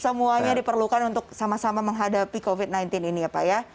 semuanya diperlukan untuk sama sama menghadapi covid sembilan belas ini ya pak ya